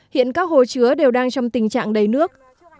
hiện các hồ chứa đều đang trong tình trạng đầy nước